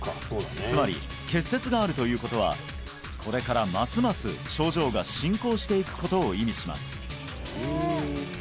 つまり結節があるということはこれからますます症状が進行していくことを意味します